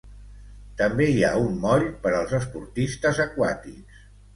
També hi ha un moll per als esportistes aquàtics.